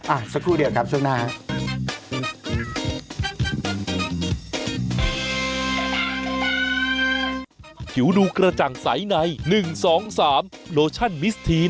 สักครู่เดียวครับช่วงหน้าครับ